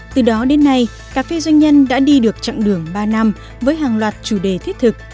từ đó đến nay cà phê doanh nhân đã đi được chặng đường ba năm với hàng loạt chủ đề thiết thực